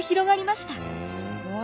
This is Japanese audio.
すごい。